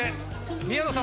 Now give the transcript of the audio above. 宮野さん